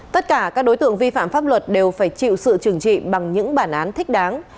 tất cả các đối tượng vi phạm pháp luật đều phải chịu sự trừng trị bằng những bản án thích đáng